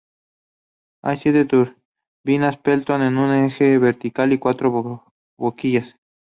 Hay siete turbinas Pelton con un eje vertical y cuatro boquillas.